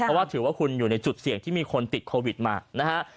เพราะว่าถือว่าคุณอยู่ในจุดเสี่ยงที่มีคนติดโควิดมานะฮะ